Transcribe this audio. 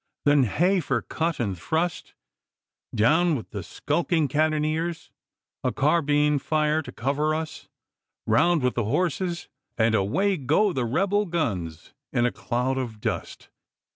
Then heh for cut and thrust, down with the skulking cannoniers, a carbine fire to cover us, round with the horses, and away go the rebel guns in a cloud of dust!